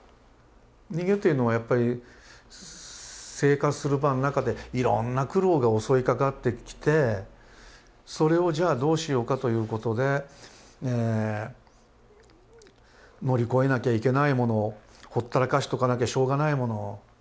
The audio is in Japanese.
人間というのはやっぱり生活する場の中でいろんな苦労が襲いかかってきてそれをじゃあどうしようかということで乗り越えなきゃいけないものほったらかしとかなきゃしょうがないもの